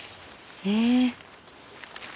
へえ。